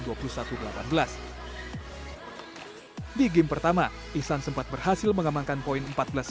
di game pertama isan sempat berhasil mengamankan poin empat belas sembilan